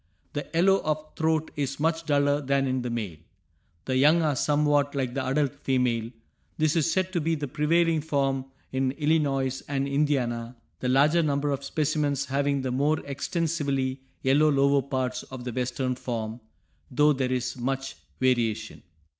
The yellow of throat is much duller than in the male. The young are somewhat like the adult female. This is said to be the prevailing form in Illinois and Indiana, the larger number of specimens having the more extensively yellow lower parts of the western form, though there is much variation.